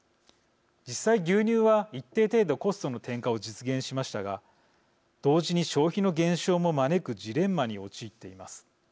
実際牛乳は一定程度コストの転嫁を実現しましたが同時に消費の減少も招くジレンマに陥っています。